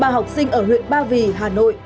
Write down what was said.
ba học sinh ở huyện ba vì hà nội